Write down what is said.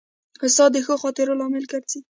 استاد د ښو خاطرو لامل ګرځي.